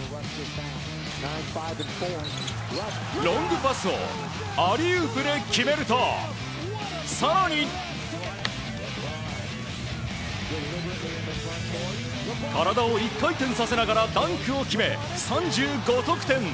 ロングパスをアリウープで決めると更に、体を１回転させながらダンクを決め３５得点。